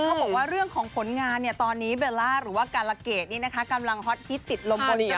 เขาบอกว่าเรื่องของผลงานเนี่ยตอนนี้เบลล่าหรือว่ากาลเกดนี่นะคะกำลังฮอตฮิตติดลมบนจอ